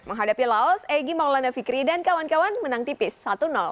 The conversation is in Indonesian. menghadapi laos egy maulana fikri dan kawan kawan menang tipis satu